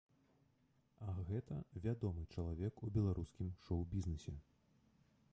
А гэта вядомы чалавек у беларускім шоу-бізнэсе.